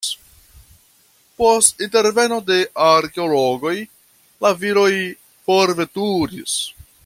Post interveno de arkeologoj la viroj forveturis.